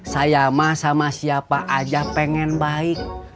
saya mah sama siapa aja pengen baik